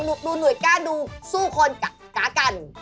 หนูหน่วยกล้าดูสู้คนกะกัน